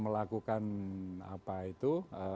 melakukan apa itu